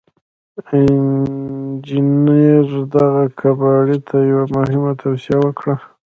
انجنير دغه کباړي ته يوه مهمه توصيه وکړه.